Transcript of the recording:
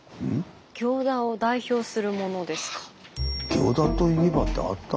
「行田といえば」ってあった？